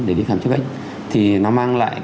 để đi khám chữa bệnh thì nó mang lại